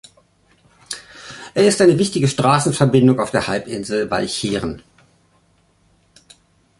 Er ist eine wichtige Straßenverbindung auf der Halbinsel Walcheren.